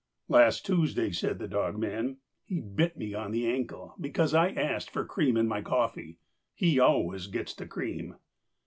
"Last Tuesday," said the dogman, "he bit me on the ankle because I asked for cream in my coffee. He always gets the cream."